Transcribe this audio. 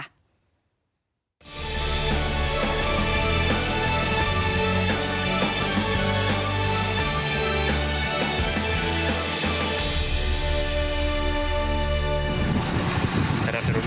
ทีมข่าวของเรานำเสนอรายงานพิเศษ